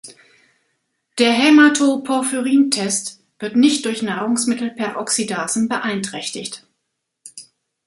Der Haematoporphyrin-Test wird nicht durch Nahrungsmittel-Peroxidasen beeinträchtigt.